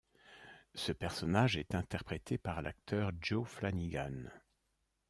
Ce personnage est interprété par l'acteur Joe Flanigan.